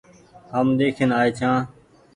هم ۮيکين آئي ڇآن ۔